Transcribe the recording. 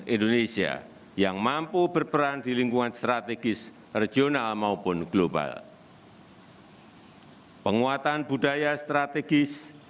indonesia yang mampu berperan di lingkungan strategis regional maupun global penguatan budaya strategis